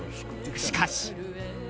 しかし。